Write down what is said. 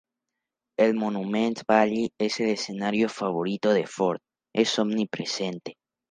El Monument Valley, el escenario favorito de Ford, es omnipresente.